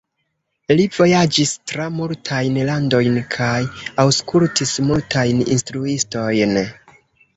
Li vojaĝis tra multajn landojn kaj aŭskultis multajn instruistojn.